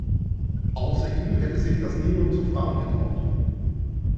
Außer ihm hätte sich das niemand zu fragen getraut.